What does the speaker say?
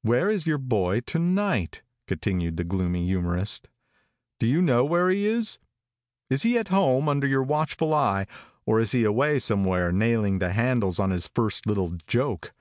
"Where is your boy to night?" continued the gloomy humorist. "Do you know where he is? Is he at home under your watchful eye, or is he away somewhere nailing the handles on his first little joke?